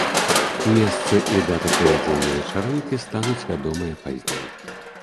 Месца і дата правядзення вечарынкі стануць вядомыя пазней.